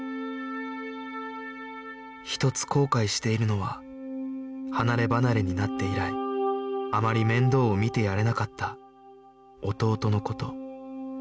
一つ後悔しているのは離ればなれになって以来あまり面倒を見てやれなかった弟の事